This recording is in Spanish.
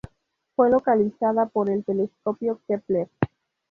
Fue localizada por el telescopio Kepler.